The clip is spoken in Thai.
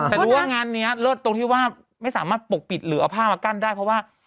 แต่รู้ว่างานนี้เลิศตรงที่ว่าไม่สามารถปกปิดหรือเอาผ้ามากั้นได้เพราะว่า